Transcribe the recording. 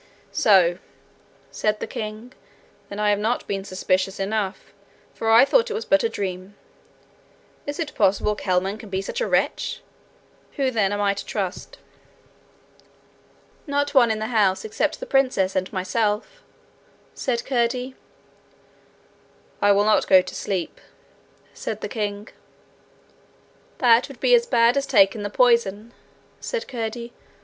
'So!' said the king. 'Then I have not been suspicious enough, for I thought it was but a dream! Is it possible Kelman can be such a wretch? Who then am I to trust?' 'Not one in the house, except the princess and myself,' said Curdie. 'I will not go to sleep,' said the king. 'That would be as bad as taking the poison,' said Curdie.